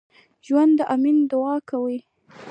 ژوندي د امن دعا کوي